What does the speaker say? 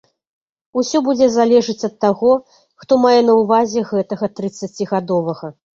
Усё будзе залежыць ад таго, хто мае на ўвазе гэтага трыццацігадовага.